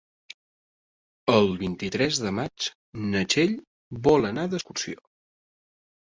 El vint-i-tres de maig na Txell vol anar d'excursió.